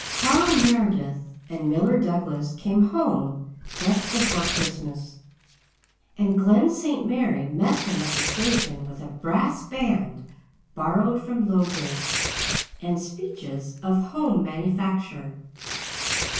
Carl Meredith and Miller Douglas came home just before Christmas and Glen St. Mary met them at the station with a brass band borrowed from Lowbridge and speeches of home manufacture.